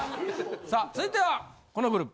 さあ続いてはこのグループ。